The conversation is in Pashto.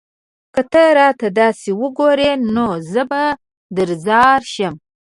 که ته راته داسې وگورې؛ نو زه به درځار شم